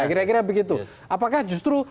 kira kira begitu apakah justru